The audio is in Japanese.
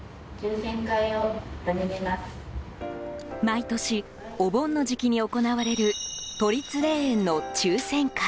毎年、お盆の時期に行われる都立霊園の抽選会。